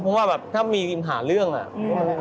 ผมว่าแบบถ้ามีหาเรื่องน่ะ